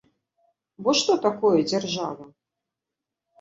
Бо што такое дзяржава?